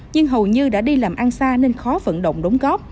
nhưng hầu như đã đi làm ăn xa nên khó vận động đóng góp